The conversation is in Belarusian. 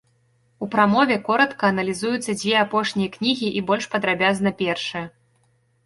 У прамове коратка аналізуюцца дзве апошнія кнігі і больш падрабязна першая.